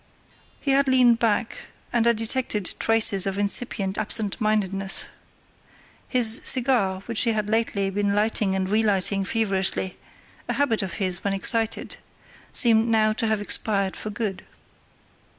He had leaned back, and I detected traces of incipient absentmindedness. His cigar, which he had lately been lighting and relighting feverishly—a habit of his when excited—seemed now to have expired for good.